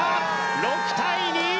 ６対２！